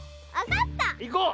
いこう！